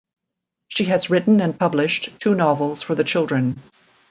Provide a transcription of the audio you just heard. She has written and published two novels for the children.